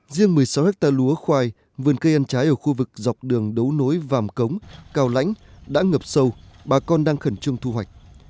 riêng một mươi sáu ha lúa khoai vườn cây ăn trái ở khu vực dọc đường đấu nối vàm cống cao lãnh đã ngập sâu bà con đang khẩn trương thu hoạch